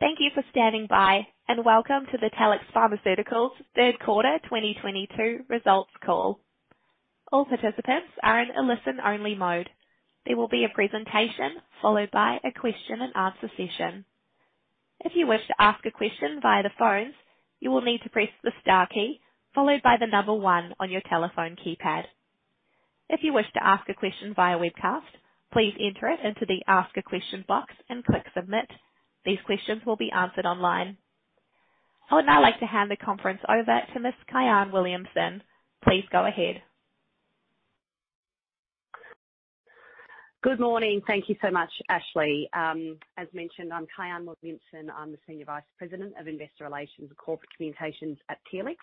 Thank you for standing by, and welcome to the Telix Pharmaceuticals third quarter 2022 results call. All participants are in a listen-only mode. There will be a presentation followed by a question and answer session. If you wish to ask a question via the phone, you will need to press the star key followed by the number one on your telephone keypad. If you wish to ask a question via webcast, please enter it into the ask a question box and click submit. These questions will be answered online. I would now like to hand the conference over to Ms. Kyahn Williamson. Please go ahead. Good morning. Thank you so much, Ashley. As mentioned, I'm Kyahn Williamson. I'm the Senior Vice President of Investor Relations and Corporate Communications at Telix,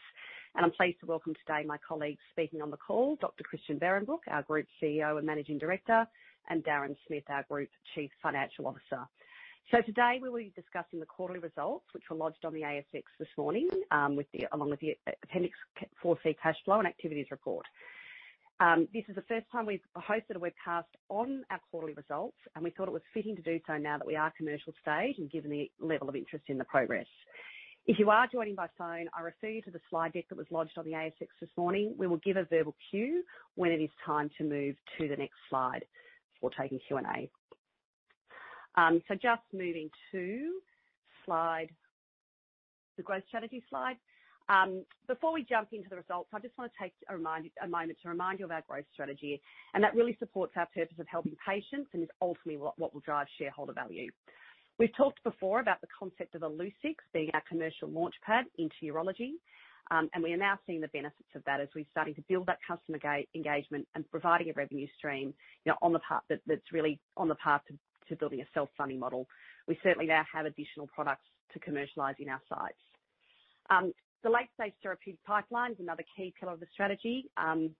and I'm pleased to welcome today my colleagues speaking on the call, Dr. Christian Behrenbruch, our Group CEO and Managing Director, and Darren Smith, our Group Chief Financial Officer. Today we will be discussing the quarterly results, which were lodged on the ASX this morning, along with the Appendix 4C cash flow and activities report. This is the first time we've hosted a webcast on our quarterly results, and we thought it was fitting to do so now that we are commercial stage and given the level of interest in the progress. If you are joining by phone, I refer you to the slide deck that was lodged on the ASX this morning. We will give a verbal cue when it is time to move to the next slide before taking Q&A. Just moving to the growth strategy slide. Before we jump into the results, I just wanna take a moment to remind you of our growth strategy, and that really supports our purpose of helping patients and is ultimately what will drive shareholder value. We've talked before about the concept of Illucix being our commercial launch pad into urology, and we are now seeing the benefits of that as we're starting to build that customer engagement and providing a revenue stream, you know, on the path that's really on the path to building a self-funding model. We certainly now have additional products to commercialize in our sights. The late-stage therapeutic pipeline is another key pillar of the strategy, and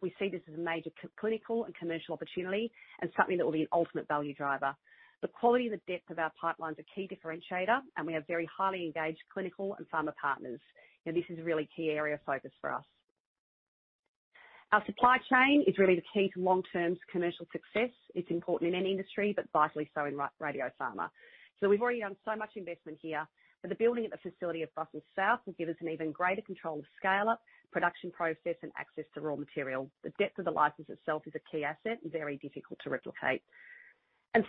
we see this as a major clinical and commercial opportunity and something that will be an ultimate value driver. The quality and the depth of our pipeline is a key differentiator, and we have very highly engaged clinical and pharma partners. You know, this is a really key area of focus for us. Our supply chain is really the key to long-term commercial success. It's important in any industry, but vitally so in radiopharma. We've already done so much investment here, but the building of a facility at Brussels South will give us an even greater control of scale up, production process, and access to raw material. The depth of the license itself is a key asset and very difficult to replicate.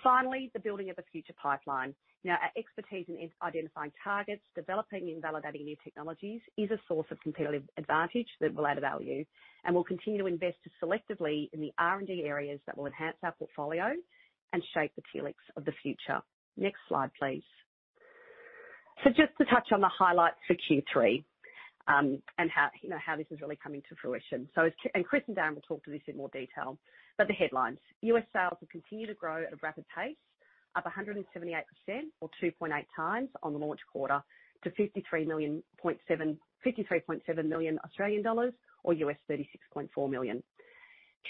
Finally, the building of a future pipeline. Now, our expertise in identifying targets, developing and validating new technologies is a source of competitive advantage that will add value, and we'll continue to invest selectively in the R&D areas that will enhance our portfolio and shape the Telix of the future. Next slide, please. Just to touch on the highlights for Q3, and how, you know, how this is really coming to fruition. As Kyahn and Chris and Darren will talk to this in more detail, but the headlines. U.S. sales will continue to grow at a rapid pace, up 178% or 2.8 times on the launch quarter to 53.7 million, 53.7 million Australian dollars or $36.4 million.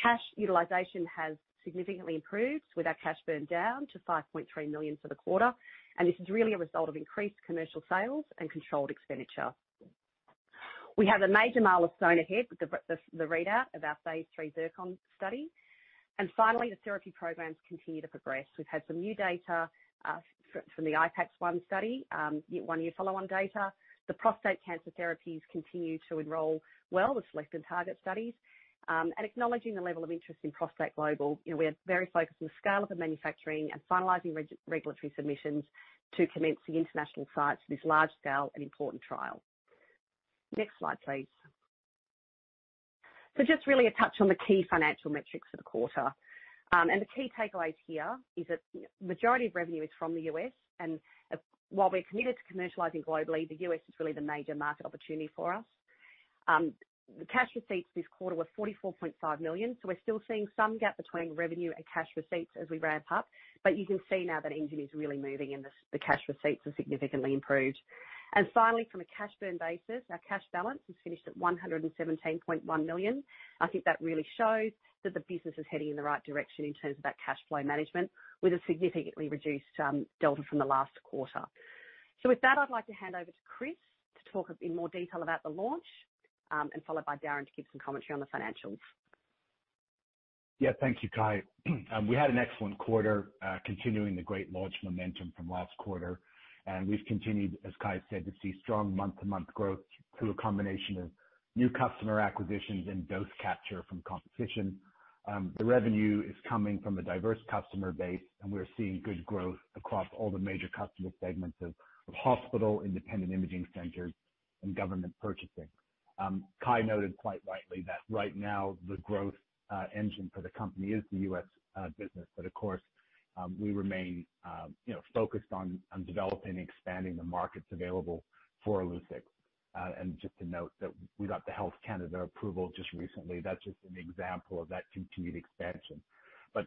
Cash utilization has significantly improved with our cash burn down to 5.3 million for the quarter, and this is really a result of increased commercial sales and controlled expenditure. We have a major milestone ahead with the readout of our phase III ZIRCON study. Finally, the therapy programs continue to progress. We've had some new data from the IPAX-1 study, one-year follow-on data. The prostate cancer therapies continue to enroll well with selected target studies. Acknowledging the level of interest in ProstACT Global, you know, we are very focused on the scale of the manufacturing and finalizing regulatory submissions to commence the international sites for this large-scale and important trial. Next slide, please. Just really a touch on the key financial metrics for the quarter. The key takeaways here is that, you know, majority of revenue is from the U.S., and while we're committed to commercializing globally, the U.S. is really the major market opportunity for us. The cash receipts this quarter were 44.5 million. We're still seeing some gap between revenue and cash receipts as we ramp up, but you can see now that engine is really moving and the cash receipts have significantly improved. Finally, from a cash burn basis, our cash balance has finished at 117.1 million. I think that really shows that the business is heading in the right direction in terms of that cash flow management with a significantly reduced delta from the last quarter. With that, I'd like to hand over to Chris to talk a bit more detail about the launch, and followed by Darren to give some commentary on the financials. Yeah. Thank you, Kyahn. We had an excellent quarter, continuing the great launch momentum from last quarter. We've continued, as Kyahn said, to see strong month-to-month growth through a combination of new customer acquisitions and dose capture from competition. The revenue is coming from a diverse customer base, and we're seeing good growth across all the major customer segments of hospital, independent imaging centers, and government purchasing. Kyahn noted quite rightly that right now the growth engine for the company is the U.S. business, but of course, we remain, you know, focused on developing and expanding the markets available for Illucix. Just to note that we got the Health Canada approval just recently. That's just an example of that continued expansion.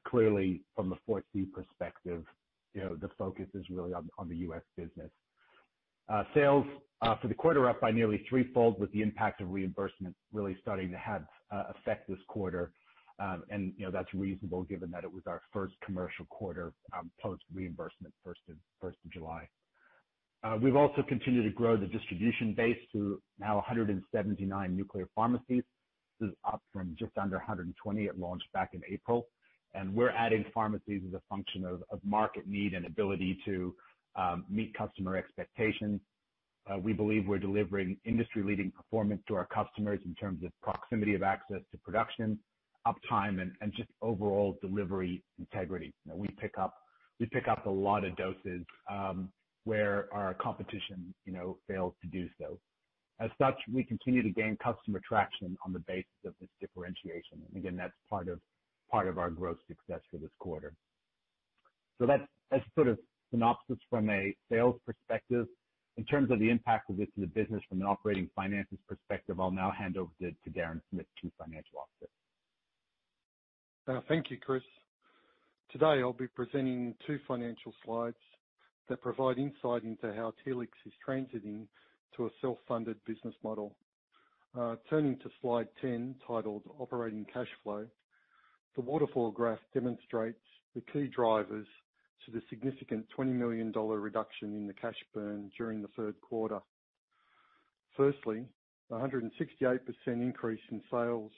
Clearly from the Appendix 4C perspective, you know, the focus is really on the U.S. business. Sales for the quarter up by nearly threefold with the impact of reimbursement really starting to have effect this quarter. You know, that's reasonable given that it was our first commercial quarter post reimbursement, 1st of July. We've also continued to grow the distribution base to now 179 nuclear pharmacies. This is up from just under 120. It launched back in April. We're adding pharmacies as a function of market need and ability to meet customer expectations. We believe we're delivering industry-leading performance to our customers in terms of proximity of access to production, uptime, and just overall delivery integrity. Now, we pick up a lot of doses where our competition, you know, fails to do so. As such, we continue to gain customer traction on the basis of this differentiation. Again, that's part of our growth success for this quarter. That's sort of synopsis from a sales perspective. In terms of the impact of this to the business from an operating financial perspective, I'll now hand over to Darren Smith for financial aspects. Thank you, Chris. Today, I'll be presenting two financial slides that provide insight into how Telix is transitioning to a self-funded business model. Turning to slide 10, titled Operating Cash Flow, the waterfall graph demonstrates the key drivers to the significant 20 million dollar reduction in the cash burn during the third quarter. Firstly, a 168% increase in sales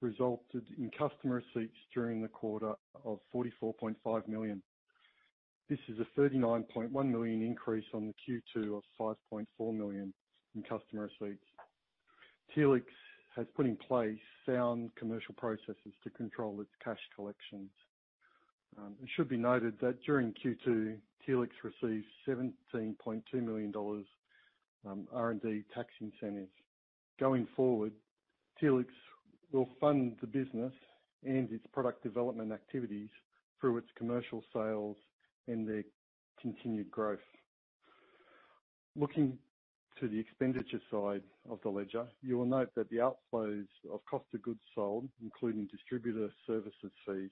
resulted in customer receipts during the quarter of 44.5 million. This is a 39.1 million increase on the Q2 of 5.4 million in customer receipts. Telix has put in place sound commercial processes to control its cash collections. It should be noted that during Q2, Telix received 17.2 million dollars R&D tax incentives. Going forward, Telix will fund the business and its product development activities through its commercial sales and their continued growth. Looking to the expenditure side of the ledger, you will note that the outflows of cost of goods sold, including distributor services fees,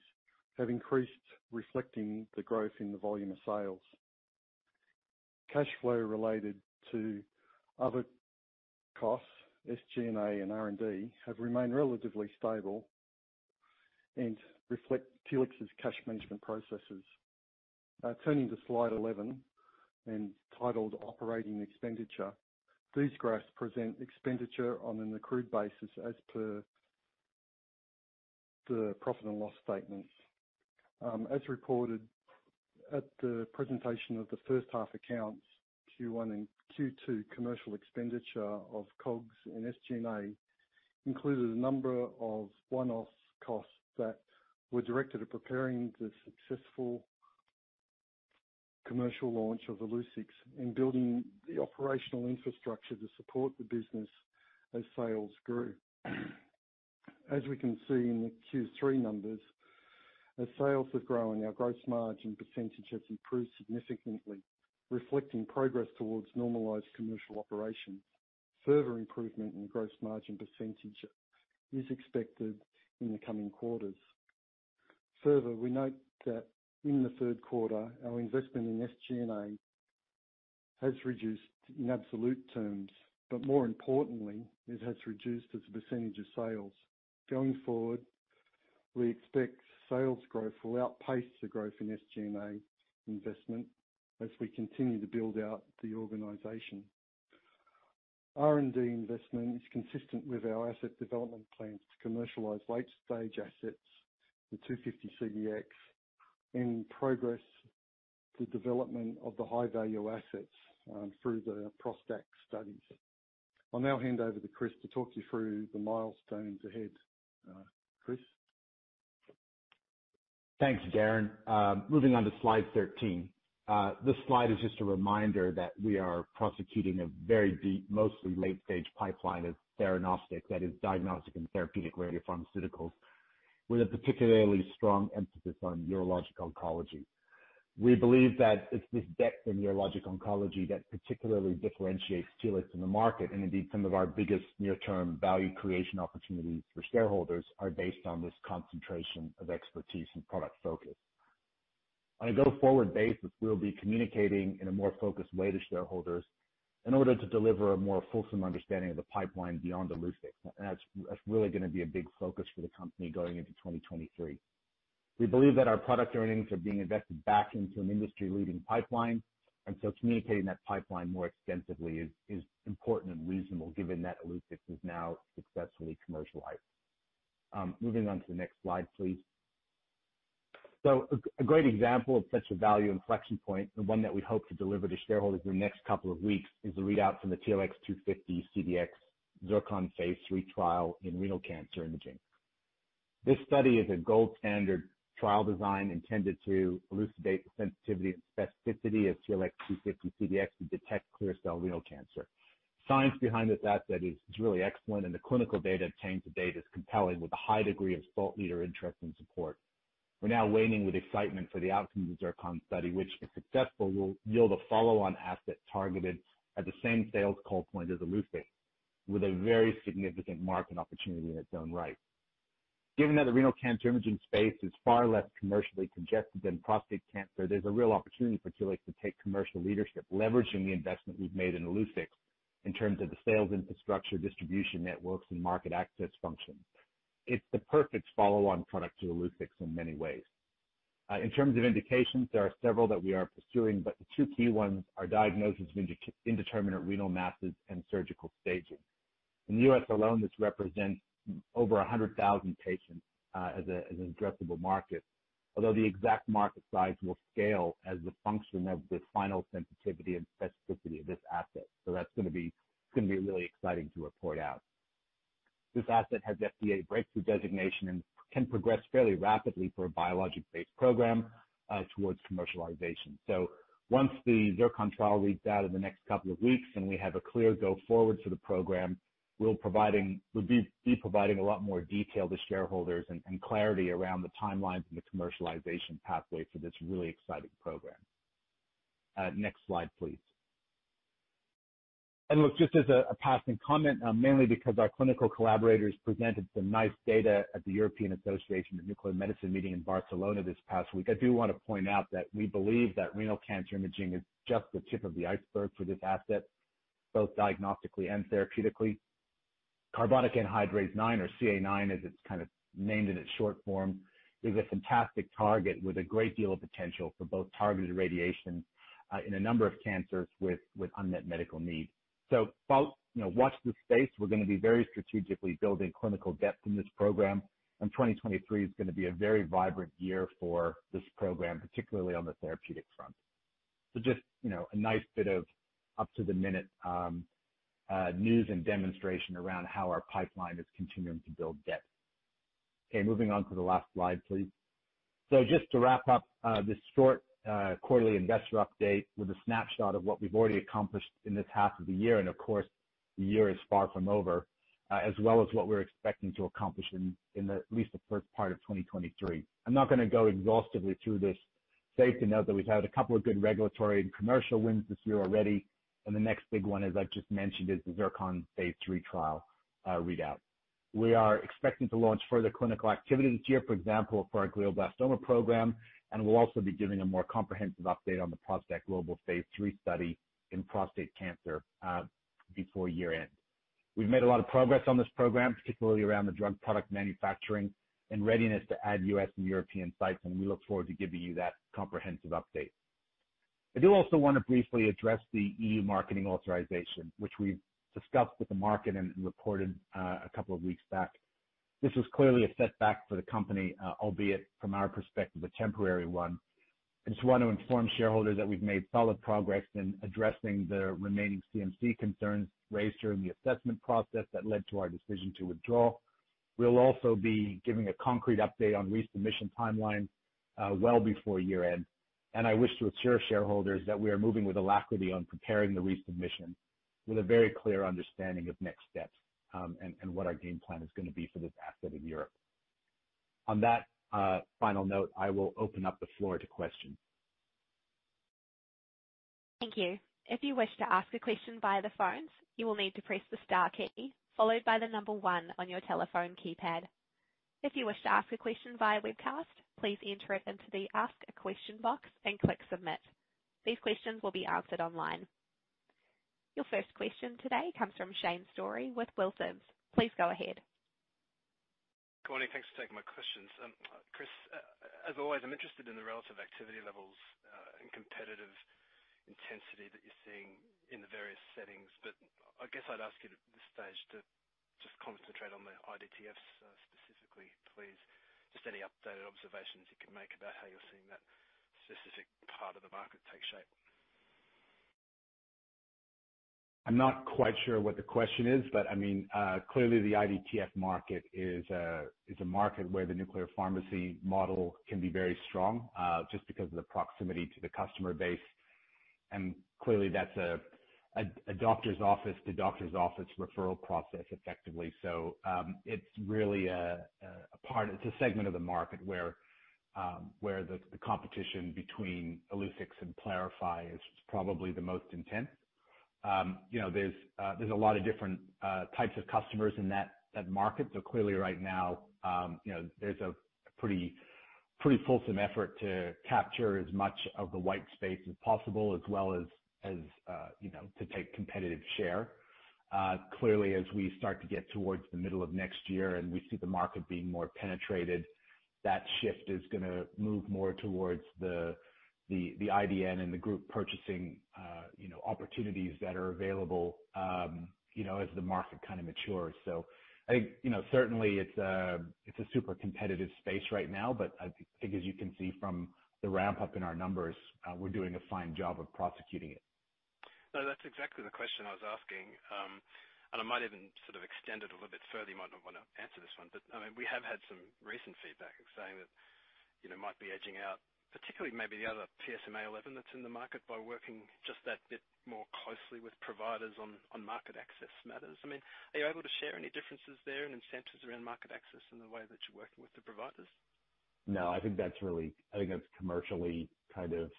have increased, reflecting the growth in the volume of sales. Cash flow related to other costs, SG&A and R&D, have remained relatively stable and reflect Telix's cash management processes. Turning to slide 11 and titled Operating Expenditure, these graphs present expenditure on an accrued basis as per the profit and loss statements. As reported at the presentation of the first half accounts, Q1 and Q2 commercial expenditure of COGS and SG&A included a number of one-off costs that were directed at preparing the successful commercial launch of Illucix and building the operational infrastructure to support the business as sales grew. As we can see in the Q3 numbers, as sales have grown, our gross margin percentage has improved significantly, reflecting progress towards normalized commercial operation. Further improvement in gross margin percentage is expected in the coming quarters. Further, we note that in the third quarter, our investment in SG&A has reduced in absolute terms, but more importantly, it has reduced as a percentage of sales. Going forward, we expect sales growth will outpace the growth in SG&A investment as we continue to build out the organization. R&D investment is consistent with our asset development plans to commercialize late-stage assets, the TLX250-CDx, and progress the development of the high-value assets through the ProstACT studies. I'll now hand over to Chris to talk you through the milestones ahead. Chris? Thanks, Darren. Moving on to slide 13. This slide is just a reminder that we are prosecuting a very deep, mostly late-stage pipeline of theranostics, that is diagnostic and therapeutic radiopharmaceuticals, with a particularly strong emphasis on urologic oncology. We believe that it's this depth in urologic oncology that particularly differentiates Telix in the market, and indeed, some of our biggest near-term value creation opportunities for shareholders are based on this concentration of expertise and product focus. On a go-forward basis, we'll be communicating in a more focused way to shareholders in order to deliver a more fulsome understanding of the pipeline beyond Illucix, and that's really gonna be a big focus for the company going into 2023. We believe that our product earnings are being invested back into an industry-leading pipeline, and so communicating that pipeline more extensively is important and reasonable given that Illucix is now successfully commercialized. Moving on to the next slide, please. A great example of such a value inflection point, and one that we hope to deliver to shareholders in the next couple of weeks, is the readout from the TLX250-CDx ZIRCON phase III Trial in renal cancer imaging. This study is a gold standard trial design intended to elucidate the sensitivity and specificity of TLX250-CDx to detect clear cell renal cancer. The science behind this asset is really excellent, and the clinical data obtained to date is compelling with a high degree of thought leader interest and support. We're now waiting with excitement for the outcome of the ZIRCON study, which, if successful, will yield a follow-on asset targeted at the same sales call point as Illucix, with a very significant market opportunity in its own right. Given that the renal cancer imaging space is far less commercially congested than prostate cancer, there's a real opportunity for Telix to take commercial leadership, leveraging the investment we've made in Illucix in terms of the sales infrastructure, distribution networks, and market access function. It's the perfect follow-on product to Illucix in many ways. In terms of indications, there are several that we are pursuing, but the two key ones are diagnosis of indeterminate renal masses and surgical staging. In the U.S. alone, this represents over 100,000 patients as an addressable market, although the exact market size will scale as the function of the final sensitivity and specificity of this asset. It's gonna be really exciting to report out. This asset has FDA breakthrough designation and can progress fairly rapidly for a biologic-based program towards commercialization. Once the ZIRCON trial reads out in the next couple of weeks, and we have a clear go-forward for the program, we'll be providing a lot more detail to shareholders and clarity around the timelines and the commercialization pathway for this really exciting program. Next slide, please. Look, just as a passing comment, mainly because our clinical collaborators presented some nice data at the European Association of Nuclear Medicine meeting in Barcelona this past week, I do wanna point out that we believe that renal cancer imaging is just the tip of the iceberg for this asset, both diagnostically and therapeutically. Carbonic anhydrase IX, or CA9, as it's kind of named in its short form, is a fantastic target with a great deal of potential for both targeted radiation in a number of cancers with unmet medical needs. You know, watch this space. We're gonna be very strategically building clinical depth in this program, and 2023 is gonna be a very vibrant year for this program, particularly on the therapeutic front. Just, you know, a nice bit of up-to-the-minute news and demonstration around how our pipeline is continuing to build depth. Okay, moving on to the last slide, please. Just to wrap up this short quarterly investor update with a snapshot of what we've already accomplished in this half of the year, and of course, the year is far from over, as well as what we're expecting to accomplish in at least the first part of 2023. I'm not gonna go exhaustively through this. Safe to note that we've had a couple of good regulatory and commercial wins this year already, and the next big one, as I just mentioned, is the ZIRCON phase three trial readout. We are expecting to launch further clinical activity this year, for example, for our glioblastoma program, and we'll also be giving a more comprehensive update on the ProstACT Global phase III study in prostate cancer, before year-end. We've made a lot of progress on this program, particularly around the drug product manufacturing and readiness to add U.S. and European sites, and we look forward to giving you that comprehensive update. I do also wanna briefly address the EU marketing authorization, which we've discussed with the market and reported, a couple of weeks back. This was clearly a setback for the company, albeit from our perspective, a temporary one. I just want to inform shareholders that we've made solid progress in addressing the remaining CMC concerns raised during the assessment process that led to our decision to withdraw. We'll also be giving a concrete update on resubmission timeline, well before year-end, and I wish to assure shareholders that we are moving with alacrity on preparing the resubmission with a very clear understanding of next steps, and what our game plan is gonna be for this asset in Europe. On that, final note, I will open up the floor to questions. Thank you. If you wish to ask a question via the phones, you will need to press the star key followed by the number one on your telephone keypad. If you wish to ask a question via webcast, please enter it into the Ask a Question box and click Submit. These questions will be answered online. Your first question today comes from Shane Storey with Wilsons. Please go ahead. Good morning. Thanks for taking my questions. Chris, as always, I'm interested in the relative activity levels and competitive intensity that you're seeing in the various settings. I guess I'd ask you at this stage to just concentrate on the IDTFs, specifically, please. Just any updated observations you can make about how you're seeing that specific part of the market take shape. I'm not quite sure what the question is, but I mean, clearly the IDTF market is a market where the nuclear pharmacy model can be very strong, just because of the proximity to the customer base, and clearly that's a doctor's office to doctor's office referral process effectively. It's a segment of the market where the competition between Illucix and Pylarify is probably the most intense. You know, there's a lot of different types of customers in that market. Clearly right now, you know, there's a pretty fulsome effort to capture as much of the white space as possible, as well as to take competitive share. Clearly, as we start to get towards the middle of next year and we see the market being more penetrated, that shift is gonna move more towards the IDN group purchasing, you know, opportunities that are available, you know, as the market kinda matures. I think, you know, certainly it's a super competitive space right now, but I think as you can see from the ramp-up in our numbers, we're doing a fine job of prosecuting it. No, that's exactly the question I was asking, and I might even sort of extend it a little bit further. You might not wanna answer this one, but I mean, we have had some recent feedback saying that, you know, might be edging out, particularly maybe the other PSMA-11 that's in the market by working just that bit more closely with providers on market access matters. I mean, are you able to share any differences there and incentives around market access in the way that you're working with the providers? No, I think that's commercially kind of.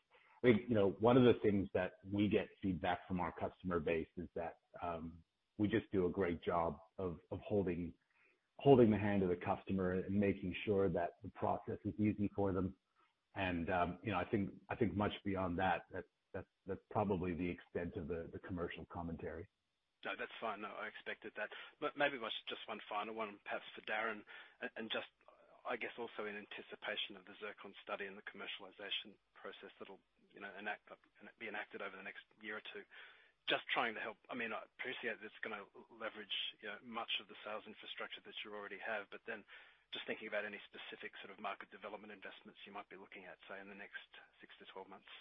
I think, you know, one of the things that we get feedback from our customer base is that we just do a great job of holding the hand of the customer and making sure that the process is easy for them. You know, I think much beyond that's probably the extent of the commercial commentary. No, that's fine. No, I expected that. Maybe just one final one perhaps for Darren, and just, I guess, also in anticipation of the ZIRCON study and the commercialization process that'll, you know, be enacted over the next year or two. Just trying to help. I mean, I appreciate that it's gonna leverage, you know, much of the sales infrastructure that you already have, but then just thinking about any specific sort of market development investments you might be looking at, say, in the next six months-12 months.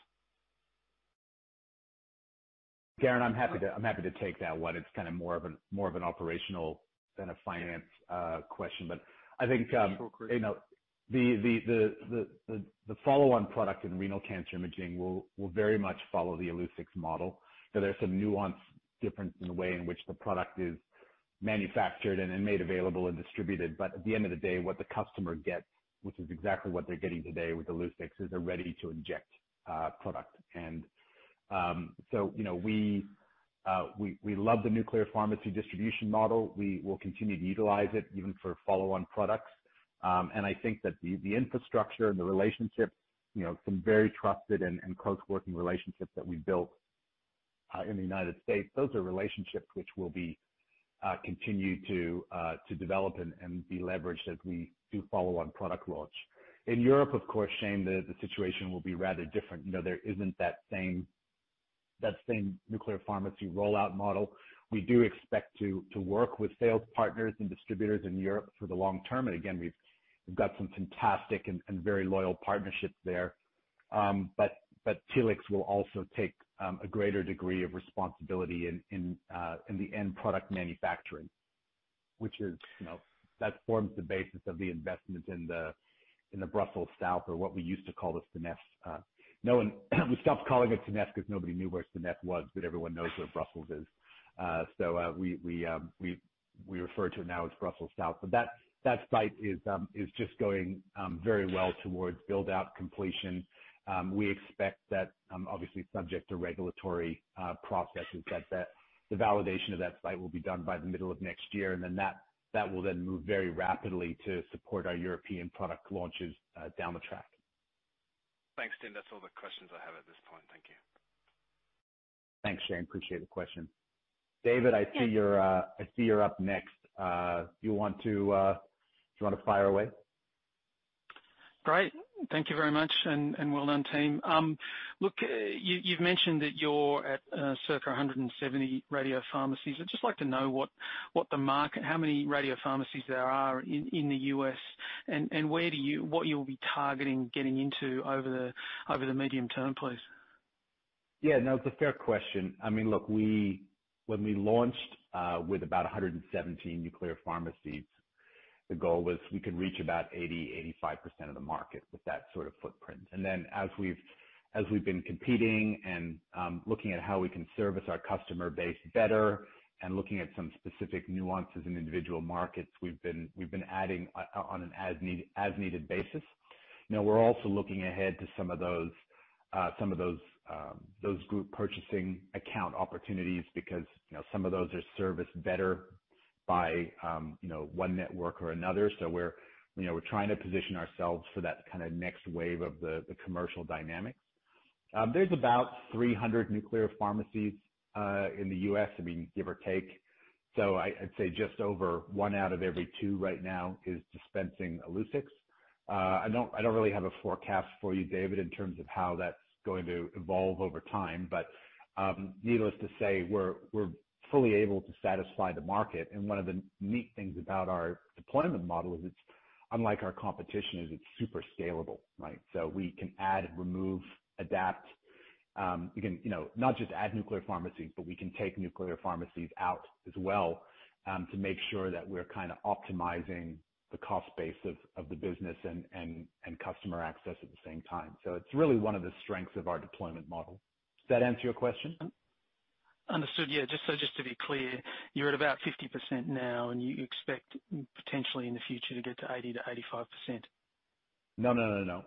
Darren, I'm happy to take that one. It's kinda more of an operational than a financial question. I think, Sure. You know, the follow-on product in renal cancer imaging will very much follow the Illucix model. There's some nuance difference in the way in which the product is manufactured and made available and distributed. But at the end of the day, what the customer gets, which is exactly what they're getting today with Illucix, is a ready to inject product. You know, we love the nuclear pharmacy distribution model. We will continue to utilize it even for follow-on products. I think that the infrastructure and the relationships, you know, some very trusted and close working relationships that we've built in the United States, those are relationships which will continue to develop and be leveraged as we do follow-on product launch. In Europe, of course, Shane, the situation will be rather different. You know, there isn't that same nuclear pharmacy rollout model. We do expect to work with sales partners and distributors in Europe for the long term. Again, we've got some fantastic and very loyal partnerships there. But Telix will also take a greater degree of responsibility in the end product manufacturing, which is, you know, that forms the basis of the investment in the Brussels South, or what we used to call the Senneffe. Now we stopped calling it Senneffe 'cause nobody knew where Senneffe was, but everyone knows where Brussels is. We refer to it now as Brussels South. That site is just going very well towards build-out completion. We expect that, obviously subject to regulatory processes, that the validation of that site will be done by the middle of next year, and then that will then move very rapidly to support our European product launches down the track. Thanks, Chris Behrenbruch. That's all the questions I have at this point. Thank you. Thanks, Shane. Appreciate the question. David, I see you're up next. Do you wanna fire away? Great. Thank you very much and well done, team. Look, you've mentioned that you're at circa 170 radio pharmacies. I'd just like to know what the market, how many radio pharmacies there are in the U.S., and what you'll be targeting getting into over the medium term, please? Yeah, no, it's a fair question. I mean, look, when we launched with about 117 nuclear pharmacies, the goal was we could reach about 80%-85% of the market with that sort of footprint. As we've been competing and looking at how we can service our customer base better and looking at some specific nuances in individual markets, we've been adding on an as needed basis. Now we're also looking ahead to some of those group purchasing account opportunities because, you know, some of those are serviced better by, you know, one network or another. We're trying to position ourselves for that kind of next wave of the commercial dynamic. There's about 300 nuclear pharmacies in the U.S., I mean, give or take. I'd say just over one out of every two right now is dispensing Illucix. I don't really have a forecast for you, David, in terms of how that's going to evolve over time, but needless to say, we're fully able to satisfy the market. One of the neat things about our deployment model is, unlike our competition, it's super scalable, right? We can add, remove, adapt, we can, you know, not just add nuclear pharmacies, but we can take nuclear pharmacies out as well, to make sure that we're kinda optimizing the cost base of the business and customer access at the same time. It's really one of the strengths of our deployment model. Does that answer your question? Understood. Yeah. Just so, just to be clear, you're at about 50% now, and you expect potentially in the future to get to 80%-85%? No.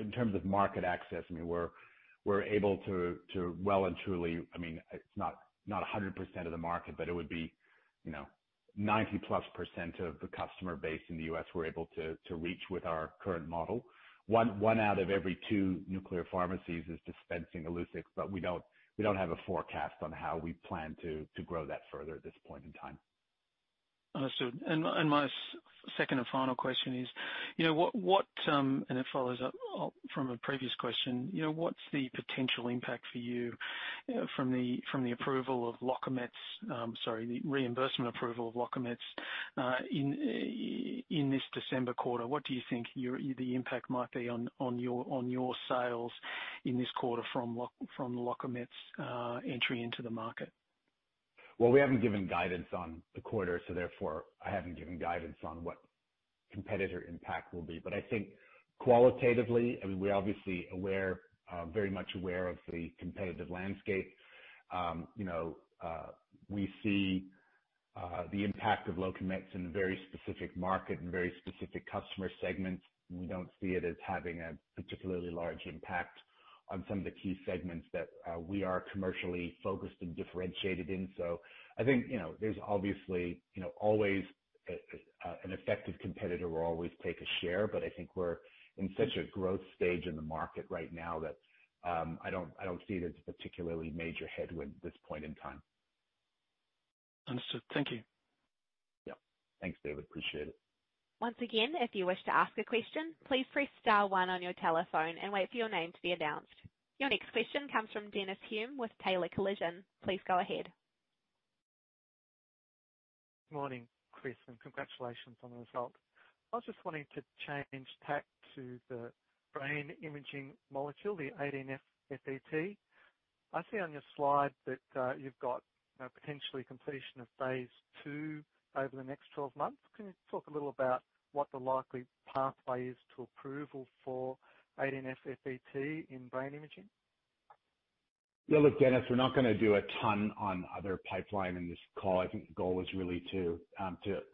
In terms of market access, I mean, we're able to well and truly. I mean, it's not 100% of the market, but it would be, you know, 90%+ of the customer base in the U.S. we're able to reach with our current model. One out of every two nuclear pharmacies is dispensing Illucix, but we don't have a forecast on how we plan to grow that further at this point in time. Understood. My second and final question is, you know, it follows up from a previous question. You know, what's the potential impact for you from the approval of Locametz, the reimbursement approval of Locametz, in this December quarter? What do you think the impact might be on your sales in this quarter from Locametz entry into the market? Well, we haven't given guidance on the quarter, so therefore, I haven't given guidance on what competitor impact will be. I think qualitatively, I mean, we're obviously aware, very much aware of the competitive landscape. You know, we see the impact of Locametz in a very specific market and very specific customer segments. We don't see it as having a particularly large impact on some of the key segments that we are commercially focused and differentiated in. I think, you know, there's obviously, you know, always an effective competitor will always take a share, but I think we're in such a growth stage in the market right now that I don't see it as a particularly major headwind at this point in time. Understood. Thank you. Yeah. Thanks, David. Appreciate it. Once again, if you wish to ask a question, please press star one on your telephone and wait for your name to be announced. Your next question comes from Dennis Hulme with Taylor Collison. Please go ahead. Morning, Chris. Congratulations on the results. I was just wanting to change tack to the brain imaging molecule, the 18F-FET. I see on your slide that, you've got, you know, potential completion of phase II over the next 12 months. Can you talk a little about what the likely pathway is to approval for 18F-FET in brain imaging? Yeah. Look, Dennis, we're not gonna do a ton on other pipeline in this call. I think the goal is really to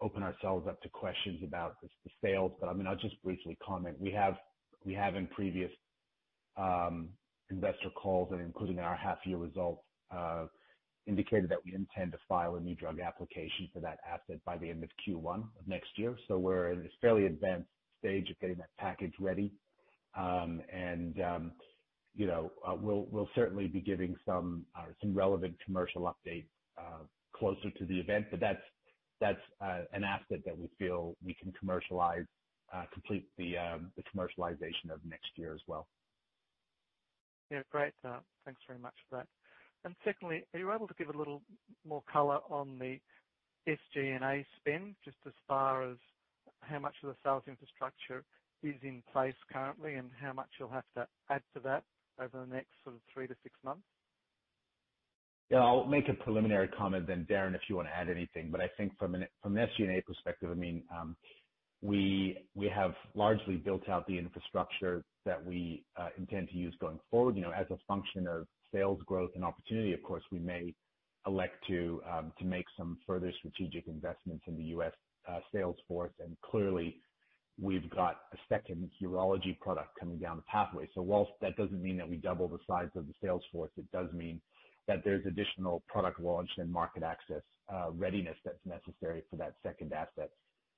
open ourselves up to questions about the sales, but I mean, I'll just briefly comment. We have in previous investor calls and including our half-year results indicated that we intend to file a new drug application for that asset by the end of Q1 of next year. We're in this fairly advanced stage of getting that package ready. You know, we'll certainly be giving some relevant commercial update closer to the event. That's an asset that we feel we can commercialize, complete the commercialization of next year as well. Yeah. Great. Thanks very much for that. Secondly, are you able to give a little more color on the SG&A spend, just as far as how much of the sales infrastructure is in place currently and how much you'll have to add to that over the next sort of three months- six months? Yeah. I'll make a preliminary comment then Darren, if you wanna add anything. I think from an SG&A perspective, I mean, we have largely built out the infrastructure that we intend to use going forward. You know, as a function of sales growth and opportunity, of course, we may elect to make some further strategic investments in the U.S. Sales force. Clearly, we've got a second urology product coming down the pathway. Whilst that doesn't mean that we double the size of the sales force, it does mean that there's additional product launch and market access readiness that's necessary for that second asset.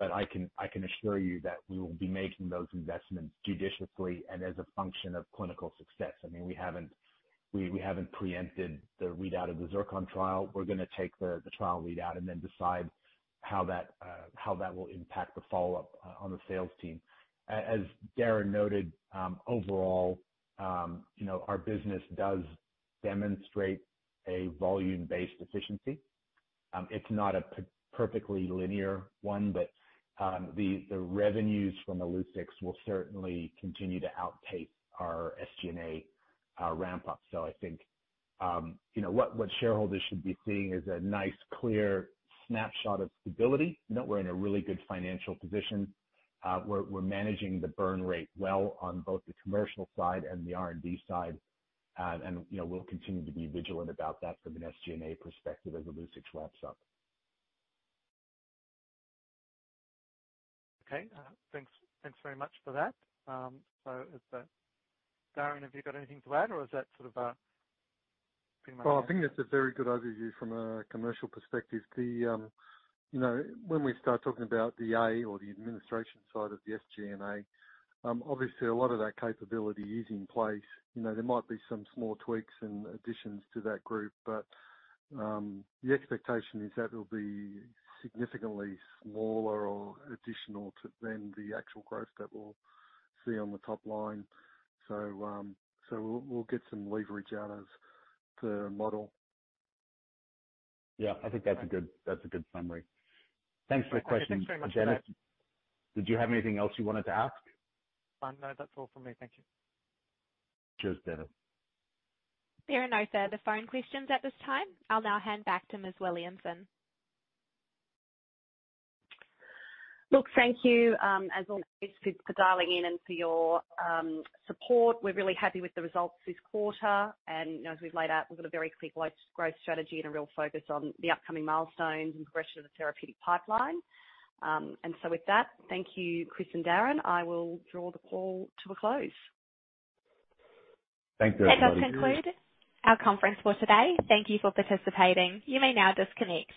I can assure you that we will be making those investments judiciously and as a function of clinical success. I mean, we haven't preempted the readout of the ZIRCON trial. We're gonna take the trial readout and then decide how that will impact the follow-up on the sales team. As Darren noted, overall, you know, our business does demonstrate a volume-based efficiency. It's not a perfectly linear one, but the revenues from Illucix will certainly continue to outpace our SG&A ramp up. I think, you know, what shareholders should be seeing is a nice, clear snapshot of stability, that we're in a really good financial position. We're managing the burn rate well on both the commercial side and the R&D side. You know, we'll continue to be vigilant about that from an SG&A perspective as Illucix ramps up. Okay. Thanks very much for that. Is that Darren, have you got anything to add or is that sort of, pretty much- Well, I think that's a very good overview from a commercial perspective. You know, when we start talking about the AI or the administration side of the SG&A, obviously a lot of that capability is in place. You know, there might be some small tweaks and additions to that group, but the expectation is that it'll be significantly smaller or additional to than the actual growth that we'll see on the top line. We'll get some leverage out of the model. Yeah. I think that's a good summary. Thanks for the question. Okay. Thanks very much for that. Dennis, did you have anything else you wanted to ask? No. That's all from me. Thank you. Cheers, Dennis. There are no further phone questions at this time. I'll now hand back to Ms. Williamson. Look, thank you, as always for dialing in and for your support. We're really happy with the results this quarter. You know, as we've laid out, we've got a very clear growth strategy and a real focus on the upcoming milestones and progression of the therapeutic pipeline. With that, thank you, Chris and Darren. I will draw the call to a close. Thank you, everybody. That does conclude our conference for today. Thank you for participating. You may now disconnect.